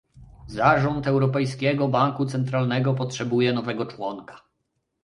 Zarząd Europejskiego Banku Centralnego potrzebuje nowego członka